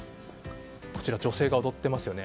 女性が踊っていますよね。